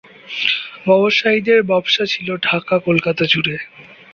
ব্যবসায়ীদের ব্যবসা ছিলো ঢাকা-কলকাতা জুড়ে।